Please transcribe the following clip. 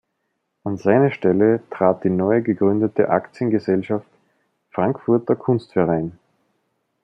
An seine Stelle trat die neu gegründete Aktiengesellschaft "Frankfurter Kunstverein".